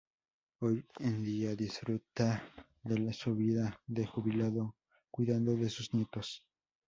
Hoy en día disfruta de su vida de jubilado cuidando de sus nietos.